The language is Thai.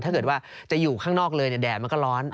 ถ้าเกิดว่าจะอยู่ข้างนอกเลยแดดมันก็ร้อน